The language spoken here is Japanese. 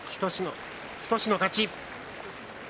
日翔志の勝ち。